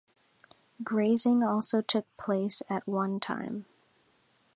Grazing also took place at one time.